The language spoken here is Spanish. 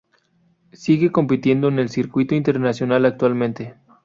Sigue compitiendo en el circuito internacional actualmente.